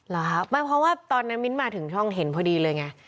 เหรอครับไม่เพราะว่าตอนนั้นมิ้นมาถึงช่องเห็นพอดีเลยไง